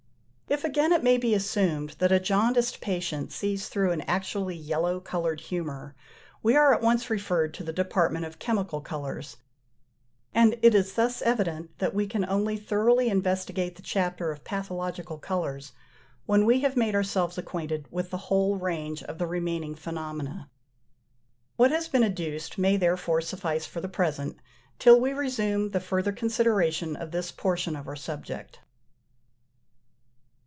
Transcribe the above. If again it may be assumed that a jaundiced patient sees through an actually yellow coloured humour, we are at once referred to the department of chemical colours, and it is thus evident that we can only thoroughly investigate the chapter of pathological colours when we have made ourselves acquainted with the whole range of the remaining phenomena. What has been adduced may therefore suffice for the present, till we resume the further consideration of this portion of our subject. 134.